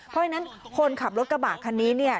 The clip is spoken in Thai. เพราะฉะนั้นคนขับรถกระบะคันนี้เนี่ย